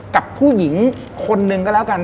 กับผู้หญิงคนหนึ่งก็แล้วกัน